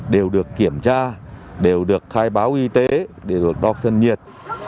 đều được kiểm tra đều được khai báo y tế đều được đọc thân nhiệt